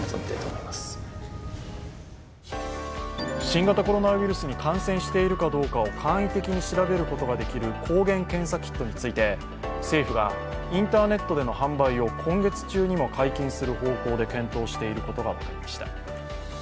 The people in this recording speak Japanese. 新型コロナウイルスに感染しているかどうかを簡易的に調べることができる抗原検査キットについて政府がインターネットでの販売を今月中にも解禁する方向で検討していることが分かりました。